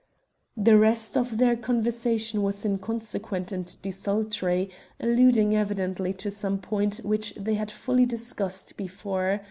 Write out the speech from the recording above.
"The rest of their conversation was inconsequent and desultory, alluding evidently to some project which they had fully discussed before.